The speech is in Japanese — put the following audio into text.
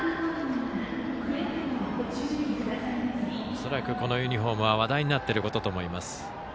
恐らく北陸のユニフォームは話題になっていると思います。